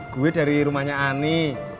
gue dari rumahnya ani